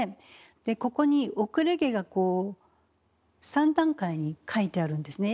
でここに後れ毛がこう３段階に描いてあるんですね